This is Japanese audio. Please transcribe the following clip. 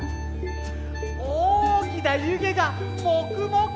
おおきなゆげがもくもく！